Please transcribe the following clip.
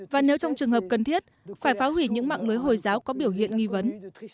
và nếu trong trường hợp cần thiết phải phá hủy những mạng lưới hồi giáo có biểu hiện nghi vấn